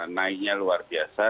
naiknya luar biasa